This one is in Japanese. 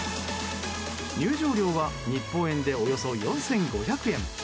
入場料は日本円でおよそ４５００円。